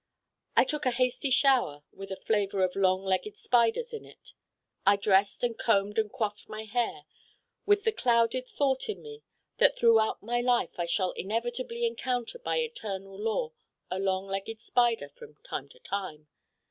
I took a hasty shower with a flavor of long legged Spiders in it. I dressed, and combed and coifed my hair, with the clouded thought in me that throughout my life I shall inevitably encounter by eternal law a long legged Spider from time to time.